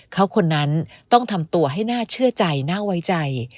เขาคนนั้นต้องทำตัวให้น่าเชื่อใจน่าไว้ใจ